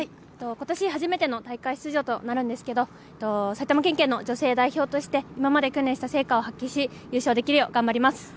ことし初めての大会出場となるんですが埼玉県警の女性代表として今まで訓練した成果を発揮し優勝できるよう頑張ります。